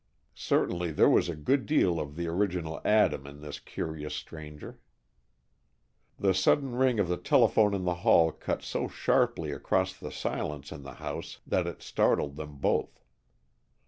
Certainly there was a good deal of the original Adam in this curious stranger. The sudden ring of the telephone in the hall cut so sharply across the silence in the house that it startled them both.